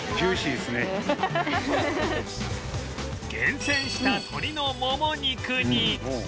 厳選した鶏のもも肉に